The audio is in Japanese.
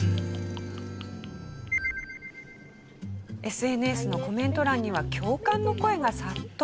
ＳＮＳのコメント欄には共感の声が殺到。